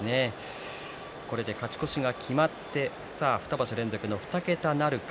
これで勝ち越しが決まって２場所連続の２桁なるか。